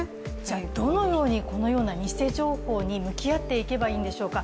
どのようにこのような偽情報に向き合っていけばいいのでしょうか。